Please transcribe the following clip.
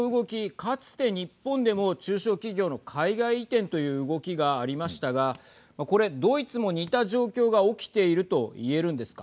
かつて日本でも中小企業の海外移転という動きがありましたがこれ、ドイツも似た状況が起きていると言えるんですか。